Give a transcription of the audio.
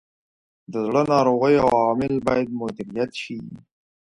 د زړه ناروغیو عوامل باید مدیریت شي.